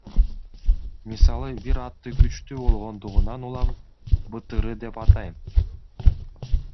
Мисалы бир атты күчтүү болгондугунан улам БТР деп атайм.